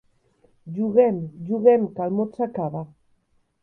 Juguem, juguem, que el mot s'acaba.